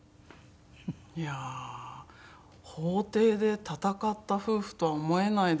いやあ法廷で闘った夫婦とは思えないですね。